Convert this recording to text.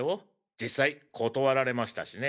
実際断られましたしね。